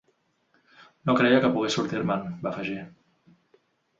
“No creia que pogués sortir-me’n”, va afegir.